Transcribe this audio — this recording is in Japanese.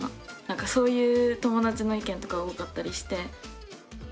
なんかそういう友達の意見とか多かったりして。